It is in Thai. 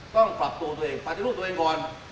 ต้องปรับตัวตัวเองปฏิรูปตัวเองก่อน